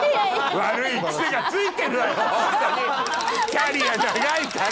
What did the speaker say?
キャリア長いから！